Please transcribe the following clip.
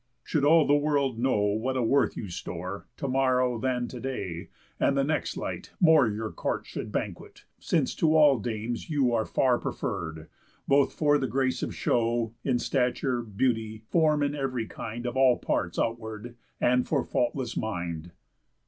Should all the world know what a worth you store, To morrow than to day, and next light, more Your court should banquet; since to all dames you Are far preferr'd, both for the grace of show, In stature, beauty, form in ev'ry kind Of all parts outward, and for faultless mind."